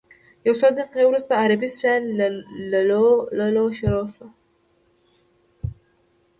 یو څو دقیقې وروسته عربي سټایل لللووللوو شروع شوه.